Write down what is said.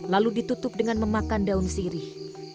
lalu ditutup dengan memakan daun sirih